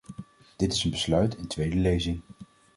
Dit is een besluit in tweede lezing.